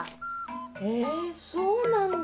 えそうなんだ。